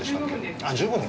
あ、１５分。